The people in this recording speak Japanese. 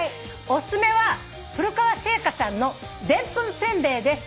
「お薦めは古川製菓さんのデンプンせんべいです」